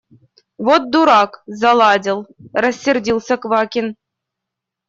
– Вот дурак – заладил! – рассердился Квакин.